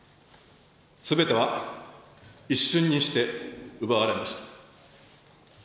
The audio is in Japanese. すべては一瞬にして奪われました。